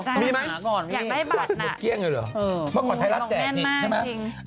วันก่อนไทยรับแจกดี